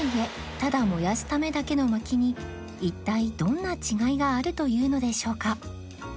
ただ燃やすためだけの薪に一体どんな違いがあるというのでしょうか？